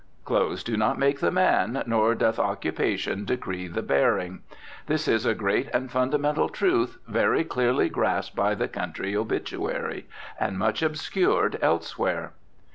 Clothes do not make the man, nor doth occupation decree the bearing. This is a great and fundamental truth very clearly grasped by the country obituary, and much obscured elsewhere.